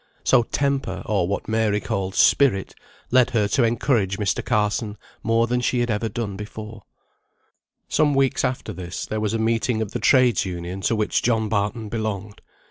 So temper, or what Mary called "spirit," led her to encourage Mr. Carson more than ever she had done before. Some weeks after this, there was a meeting of the Trades' Union to which John Barton belonged.